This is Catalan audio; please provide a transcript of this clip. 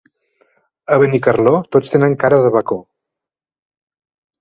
A Benicarló tots tenen cara de bacó.